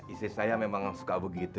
istri saya memang suka begitu